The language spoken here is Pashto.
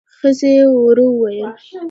ښځې ورو وويل: